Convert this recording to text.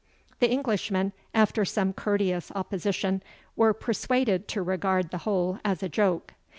The Englishmen, after some courteous opposition, were persuaded to regard the whole as a joke.